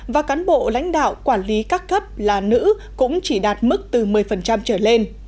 và cán bộ lãnh đạo quản lý các cấp là nữ cũng chỉ đạt mức từ một mươi trở lên